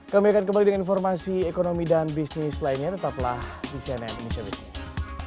kami akan kembali dengan informasi ekonomi dan bisnis lainnya tetaplah di cnn indonesia business